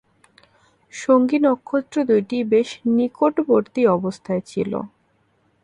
সঙ্গী নক্ষত্র দুইটি বেশ নিকটবর্তী অবস্থায় ছিল।